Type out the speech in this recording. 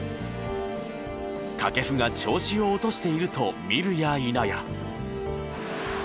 掛布が調子を落としていると見るやいなや。